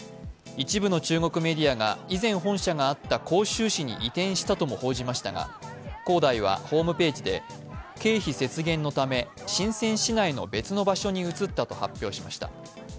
一部の中国メディアが、以前本社があった広州市に移転したとも報じましたが、恒大はホームページで経費節減のため深セン市内の別の場所に移ったと発表しました。